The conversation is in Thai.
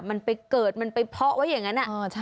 มันไปเกิดมันไปเพาะไว้อย่างเงี้ยน่ะเออใช่